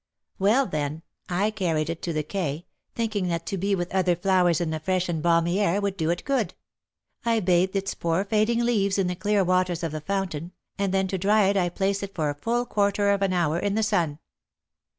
Well, then, I carried it to the quay, thinking that to be with other flowers in the fresh and balmy air would do it good. I bathed its poor fading leaves in the clear waters of the fountain, and then to dry it I placed it for a full quarter of an hour in the sun.